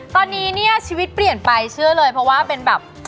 ตอนนี้เนี่ยชีวิตเปลี่ยนไปเชื่อเลยเพราะว่าเป็นแบบ